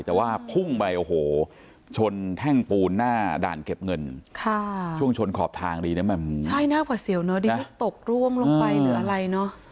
แต่ว่าพุ่งไปโอ้โหชนแท่งปูนหน้าด่านเก็บเงินค่ะช่วงชนขอบทางดีนะมันใช่หน้าหวัดเสียวเนอะดีก็ตกร่วงลงไปหรืออะไรเนอะ